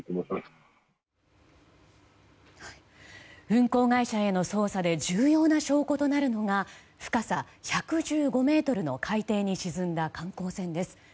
運航会社への捜査で重要な証拠となるのが深さ１２０ｍの海底に沈んだ観光船です。